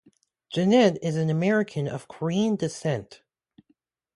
Jeanette is an American of Korean descent.